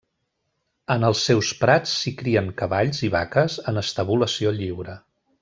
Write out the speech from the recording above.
En els seus prats s'hi crien cavalls i vaques en estabulació lliure.